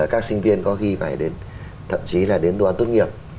các sinh viên có khi phải đến thậm chí là đến đoàn tốt nghiệp